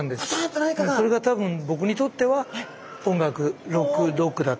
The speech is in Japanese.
それが多分僕にとっては音楽ロックだった。